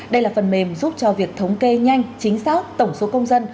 đây là phần mềm giúp cho việc thống kê nhanh chính xác tổng số công dân